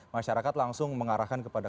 masyarakat langsung mengarahkan kepada